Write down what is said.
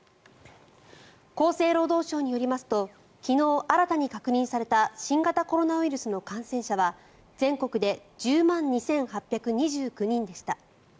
厚生労働省によりますと昨日新たに確認された新型コロナウイルスの感染者は全国で１０万２８２９人でした。